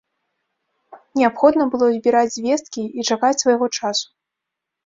Неабходна было збіраць звесткі і чакаць свайго часу.